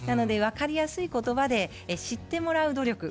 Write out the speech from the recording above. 分かりやすいことばで知ってもらう努力